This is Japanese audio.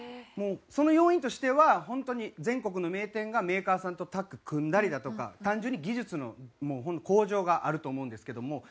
その要因としてはホントに全国の名店がメーカーさんとタッグ組んだりだとか単純に技術の向上があると思うんですけども。